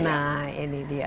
nah ini dia